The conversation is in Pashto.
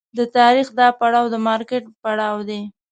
د تاریخ دا پړاو د مارکېټ پړاو دی.